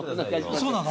そうなの？